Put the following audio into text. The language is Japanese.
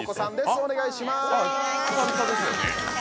お願いします！